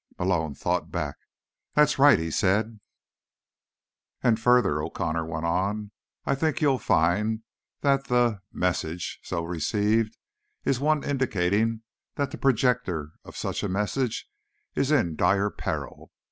Malone thought back. "That's right," he said. "And, further," O'Connor went on, "I think you'll find that the—ah— message so received is one indicating that the projector of such a message is in dire peril.